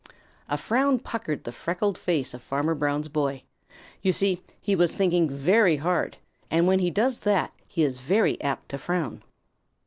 A frown puckered the freckled face of Farmer Brown's boy. You see, he was thinking very hard, and when he does that he is very apt to frown.